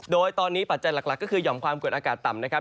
โดยตอนนี้ปัจจัยหลักก็คือหย่อมความกดอากาศต่ำนะครับ